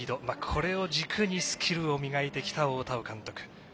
これを軸にスキルを磨いてきた大田尾監督。